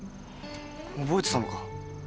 覚えてたのか？